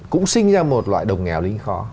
cũng sinh ra một loại đồng nghèo lĩnh khó